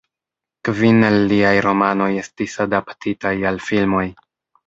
Kvin el liaj romanoj estis adaptitaj al filmoj.